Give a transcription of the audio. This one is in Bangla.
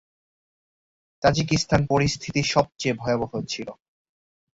তাজিকিস্তান পরিস্থিতি সবচেয়ে ভয়াবহ ছিল।